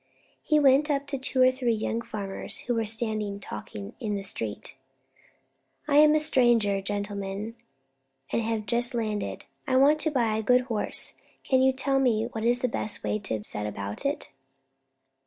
He went up to two or three young farmers who were standing talking in the street. "I am a stranger, gentlemen, and have just landed. I want to buy a good horse; can you tell me what is the best way to set about it?"